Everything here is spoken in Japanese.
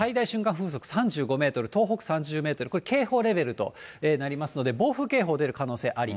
風速３５メートル、東北３０メートル、これ、警報レベルとなりますので、暴風警報出る可能性あり。